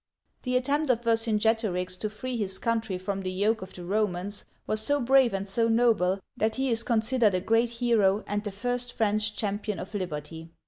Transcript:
The attempt of Vercingetorix to free his country from the yoke of the Romans was so brave and so noble that he is considered a great hero and the first French cham pion of liberty.